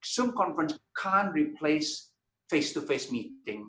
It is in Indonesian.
zoom conference tidak bisa menggantikan pertemuan face to face